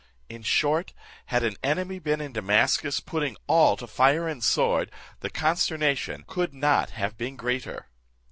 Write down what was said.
In short, had an enemy been in Damascus, putting all to fire and sword, the consternation could not have been greater.